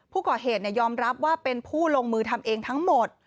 ผู้ก่อเหตุยอมรับว่าเป็นผู้ลงมือทำเองทั้งหมด